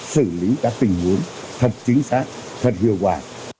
xử lý các tình huống thật chính xác thật hiệu quả